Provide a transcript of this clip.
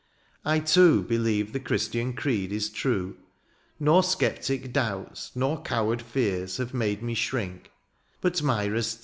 I, too, ^' Believe the Christian creed is true. '* Nor sceptic doubts, nor coward fears, '* Have made me shrink, but Myra's tears.